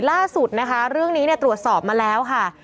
ล่าสุดนะคะเรื่องนี้เนี่ยตรวจสอบมาแล้วค่ะ